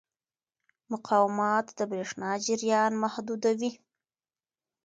مقاومت د برېښنا جریان محدودوي.